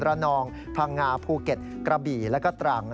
นองพังงาภูเก็ตกระบี่แล้วก็ตรัง